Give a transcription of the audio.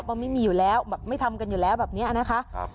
ว่าไม่มีอยู่แล้วแบบไม่ทำกันอยู่แล้วแบบนี้นะคะ